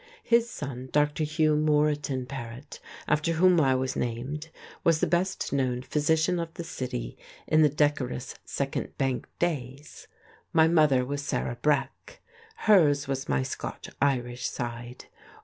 His son, Dr. Hugh Moreton Paret, after whom I was named, was the best known physician of the city in the decorous, Second Bank days. My mother was Sarah Breck. Hers was my Scotch Irish side.